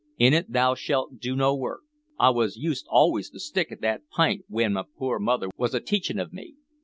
In it thou shalt do no work.' I wos used always to stick at that pint w'en my poor mother was a teachin' of me.